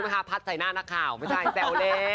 โห